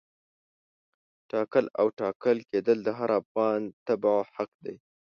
ټاکل او ټاکل کېدل د هر افغان تبعه حق دی.